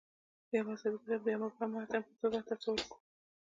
یو مذهبي کتاب د یوه مبهم متن په توګه تصور کړو.